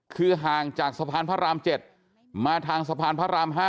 คือห่างจากสะพานพระราม๗มาทางสะพานพระราม๕